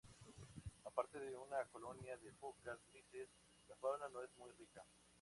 Aparte de una colonia de focas grises, la fauna no es muy rica.